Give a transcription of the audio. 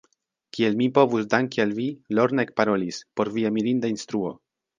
Kiel mi povus danki al vi, Lorna ekparolis, por via mirinda instruo.